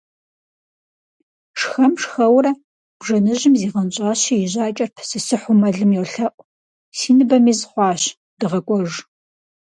Шхэм–шхэурэ, бжэныжьым зигъэнщӀащи и жьакӀэр пысысыхьу мэлым йолъэӀу: - Си ныбэм из хуащ, дыгъэкӀуэж.